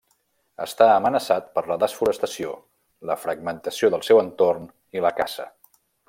Està amenaçat per la desforestació, la fragmentació del seu entorn i la caça.